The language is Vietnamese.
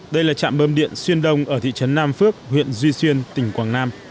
đây là trạm bơm điện xuyên đông ở thị trấn nam phước huyện duy xuyên tỉnh quảng nam